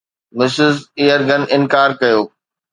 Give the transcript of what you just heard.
Mrs Yeargan انڪار ڪيو